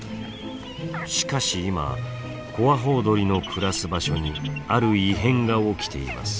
しかし今コアホウドリの暮らす場所にある異変が起きています。